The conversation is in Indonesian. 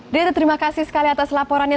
diata terima kasih sekali atas laporannya